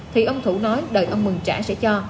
thì ông thủ nói đời ông mừng trả sẽ cho